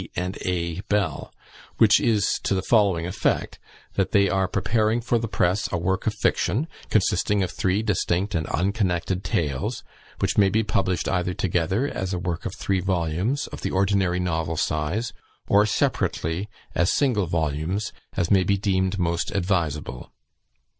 and A. Bell," which is to the following effect, that they are preparing for the press a work of fiction, consisting of three distinct and unconnected tales, which may be published either together, as a work of three volumes, of the ordinary novel size, or separately, as single volumes, as may be deemed most advisable.